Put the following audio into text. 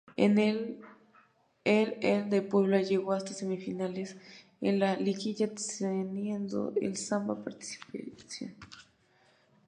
En el el Puebla llegó hasta semifinales en la liguilla, teniendo el "Samba" participación.